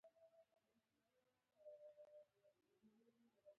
موږ د چا عیب په مستۍ او رندۍ نه کوو.